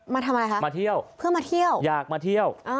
มาทำอะไรคะมาเที่ยวเพื่อมาเที่ยวอยากมาเที่ยว